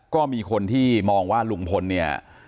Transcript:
ก็มีคนที่มองว่าลุงพลเนี่ย